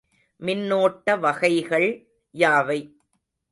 மின்னோட்ட வகைகள் யாவை?